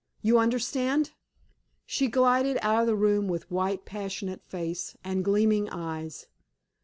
You understand!" She glided out of the room with white, passionate face and gleaming eyes.